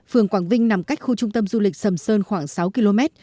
phường quảng vinh nằm cách khu trung tâm du lịch sầm sơn khoảng sáu km